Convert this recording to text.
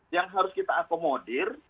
yang harus kita akomodir